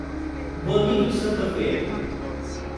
Bonito de Santa Fé